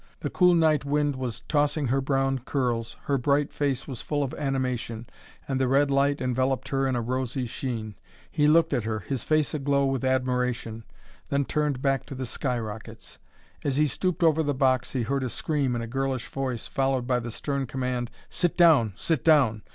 The cool night wind was tossing her brown curls, her bright face was full of animation, and the red light enveloped her in a rosy sheen. He looked at her, his face aglow with admiration, then turned back to the sky rockets. As he stooped over the box he heard a scream in a girlish voice, followed by the stern command, "Sit down! Sit down!"